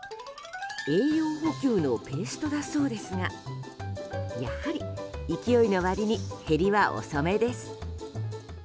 栄養補給のペーストだそうですがやはり、勢いの割に減りは遅めです。